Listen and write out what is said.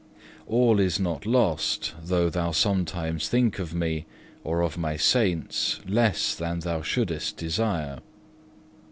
5. "All is not lost, though thou sometimes think of Me or of My saints, less than thou shouldest desire.